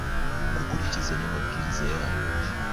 ngo ukurikize namabwiriza yayo